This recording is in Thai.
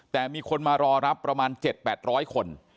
แต่มีคนมารอรับประมาณ๗๘๐๐คน